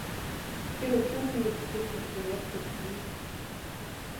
Тэр өглөөний нийтлэлийг тавьсан яг тэр сонинд ажилладаг.